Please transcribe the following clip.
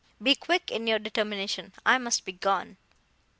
—Be quick in your determination—I must be gone.